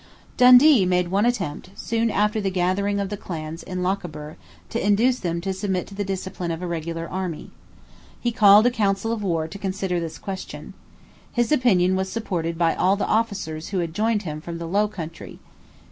Dundee made one attempt, soon after the gathering of the clans in Lochaber, to induce them to submit to the discipline of a regular army. He called a council of war to consider this question. His opinion was supported by all the officers who had joined him from the low country.